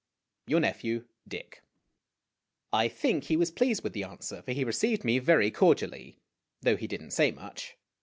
Your nephew, DICK. I think he was pleased with the answer, for he received me very cordially, though he did n't say much.